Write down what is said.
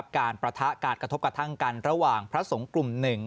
ประทะการกระทบกระทั่งกันระหว่างพระสงฆ์กลุ่ม๑